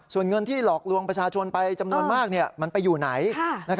ส่วนเงินที่หลอกลวงประชาชนไปจำนวนมากมันไปอยู่ไหน